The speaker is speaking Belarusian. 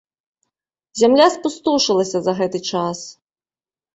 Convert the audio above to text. Зямля спустошылася за гэты час.